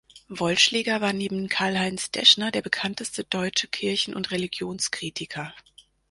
Wollschläger war neben Karlheinz Deschner der bekannteste deutsche Kirchen- und Religionskritiker.